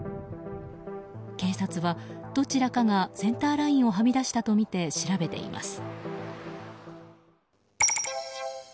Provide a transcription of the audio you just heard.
警察はどちらかがセンターラインをはみ出したとみて調べています。